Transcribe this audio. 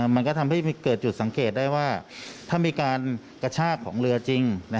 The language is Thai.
มันก็ทำให้เกิดจุดสังเกตได้ว่าถ้ามีการกระชากของเรือจริง